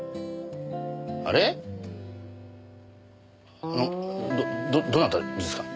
あのどどなたですか？